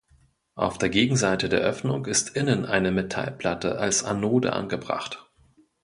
Auf der Gegenseite der Öffnung ist innen eine Metallplatte als Anode angebracht.